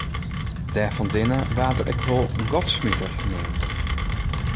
Dêrfandinne waard er wol de ‘godsmiter’ neamd.